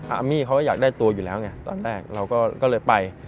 อามี่เขาก็อยากได้ตัวอยู่แล้วไงตอนแรกเราก็เลยไป